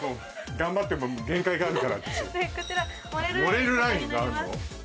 盛れるラインがあるの？